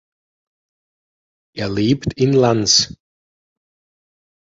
Er lebt in Lans.